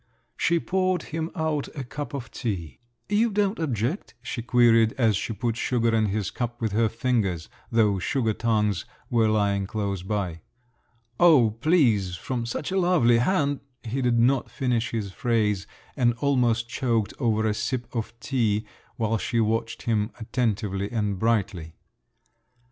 She poured him out a cup of tea. "You don't object?" she queried, as she put sugar in his cup with her fingers … though sugar tongs were lying close by. "Oh, please!… From such a lovely hand …" He did not finish his phrase, and almost choked over a sip of tea, while she watched him attentively and brightly.